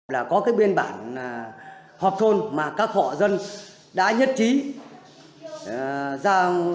là có cái biên bản họp thôn mà các họ dân đã nhất trí ra giả đất cho lâm trường và có chữ ký